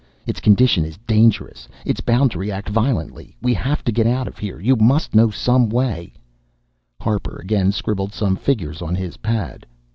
Its condition is dangerous it's bound to react violently. We have to get out of here. You must know some way " Harper again scribbled some figures on his pad.